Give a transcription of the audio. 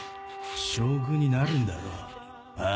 将軍になるんだろ？